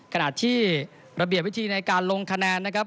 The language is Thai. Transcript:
ขณะที่ระเบียบวิธีในการลงคะแนนนะครับ